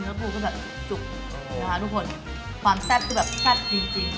เนื้อปลูกก็แบบจุกนะคะทุกคนความแซ่บคือแบบแซ่บดีจริง